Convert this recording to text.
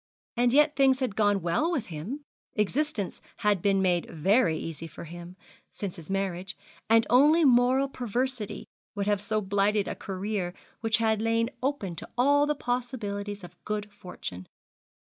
And yet things had gone well with him, existence had been made very easy for him, since his marriage; and only moral perversity would have so blighted a career which had lain open to all the possibilities of good fortune.